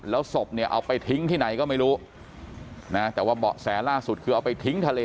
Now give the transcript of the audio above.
แล้วศพเนี่ยเอาไปทิ้งที่ไหนก็ไม่รู้นะแต่ว่าเบาะแสล่าสุดคือเอาไปทิ้งทะเล